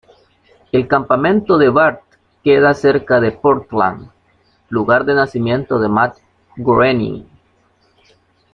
El campamento de Bart queda cerca de Portland, "lugar de nacimiento de Matt Groening".